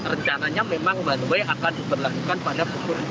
rencananya memang banwe akan diberlakukan pada pukul